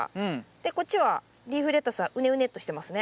でこっちはリーフレタスはうねうねっとしてますね。